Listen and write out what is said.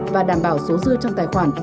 và đảm bảo số dư trong tài khoản